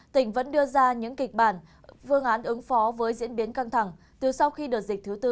tỉnh vẫn đưa ra những kịch bản phương án ứng phó với diễn biến căng thẳng từ sau khi đợt dịch thứ tư